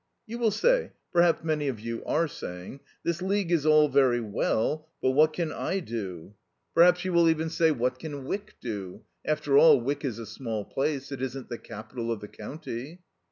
"You will say, perhaps many of you are saying: 'This League is all very well, but what can I do?' Perhaps you will even say: 'What can Wyck do? After all, Wyck is a small place. It isn't the capital of the county.'"